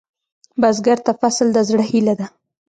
بزګر ته فصل د زړۀ هيله ده